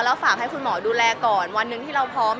แล้วฝากให้คุณหมอดูแลก่อนวันหนึ่งที่เราพร้อม